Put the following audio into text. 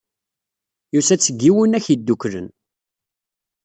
Yusa-d seg Yiwunak Yeddukklen.